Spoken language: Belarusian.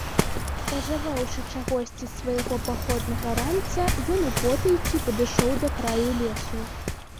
Пажаваўшы чагосьці з свайго паходнага ранца, ён употайкі падышоў да краю лесу.